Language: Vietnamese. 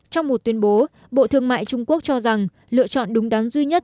trong một tuyên bố bộ thương mại trung quốc cho rằng lựa chọn đúng đắn duy nhất